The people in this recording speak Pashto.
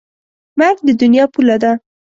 مرګ د دنیا پوله ده.